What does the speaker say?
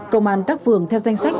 công an các phường theo danh sách